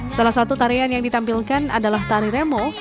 salah satu tarian yang ditampilkan adalah tari remo